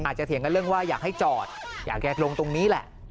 เถียงกันเรื่องว่าอยากให้จอดอยากจะลงตรงนี้แหละ